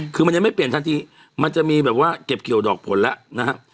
คือมันยังไม่เปลี่ยนทันทีมันจะมีแบบว่าเก็บเกี่ยวดอกผลแล้วนะครับ